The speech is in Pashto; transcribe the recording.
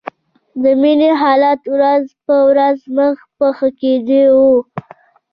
د مينې حالت ورځ په ورځ مخ په ښه کېدو و